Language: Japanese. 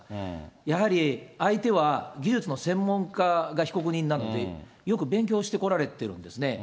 やはり、相手は技術の専門家が被告人なので、よく勉強してこられてるんですね。